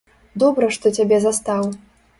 Добра, што цябе застаў.